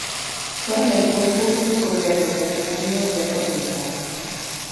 Fueron los dos últimos gobiernos del bienio reformista.